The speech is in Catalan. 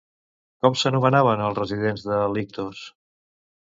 Com s'anomenaven els residents de Lictos?